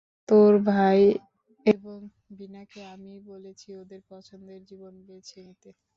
তোর ভাই এবং ভীনাকে আমিই বলেছি ওদের পছন্দের জীবন বেছে নিতে।